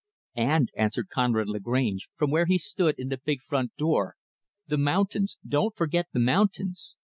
"And," answered Conrad Lagrange, from where he stood in the big front door, "the mountains! Don't forget the mountains.